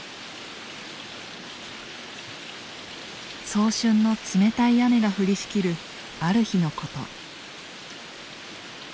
早春の冷たい雨が降りしきるある日のこと。